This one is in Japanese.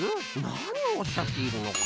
何をおっしゃっているのか。